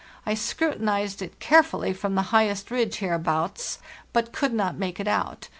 I scru tinized it carefully from the highest ridge hereabouts, but could not make it out.